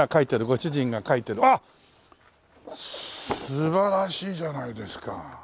素晴らしいじゃないですか。